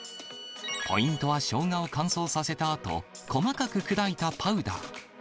ポイントは、ショウガを乾燥させたあと細かく砕いたパウダー。